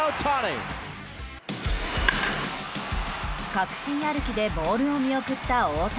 確信歩きでボールを見送った大谷。